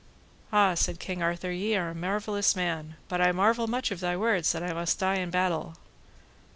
Ah, said King Arthur, ye are a marvellous man, but I marvel much of thy words that I must die in battle.